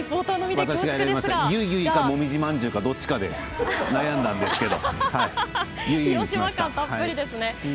私もゆいゆいともみじまんじゅうと、どっちで悩んだんですけど。